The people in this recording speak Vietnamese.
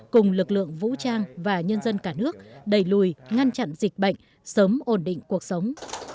cùng lực lượng vũ trang và nhân dân cả nước đẩy lùi ngăn chặn dịch bệnh sớm ổn định cuộc sống